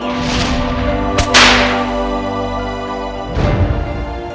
kau bukanlah siapa siapa